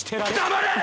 黙れ！